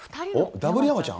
ダブル山ちゃん？